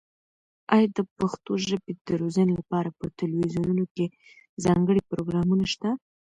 ایا د پښتو ژبې د روزنې لپاره په تلویزیونونو کې ځانګړي پروګرامونه شته؟